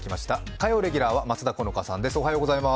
火曜レギュラーは松田好花さんです。